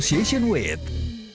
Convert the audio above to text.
dimiputan senen indonesia jakarta